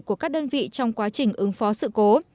của các đơn vị trong quá trình ứng phó sự cố